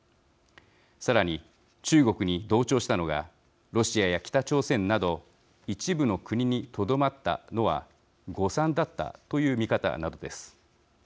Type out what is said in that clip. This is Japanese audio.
さらに、中国に同調したのがロシアや北朝鮮など一部の国にとどまったのは誤算だったという見方などです。